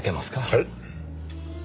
はい。